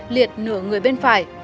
liệt nửa người bên phải